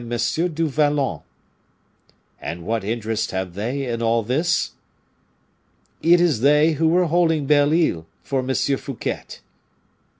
du Vallon." "And what interest have they in all this?" "It is they who were holding Bell Isle for M. Fouquet."